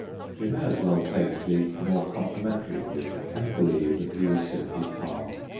We may as well take the more complimen tary view, and believe that he was simply calm.